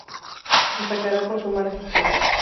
Destacará por su mala gestión.